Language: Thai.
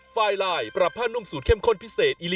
โปรดติดตามตอนต่อไป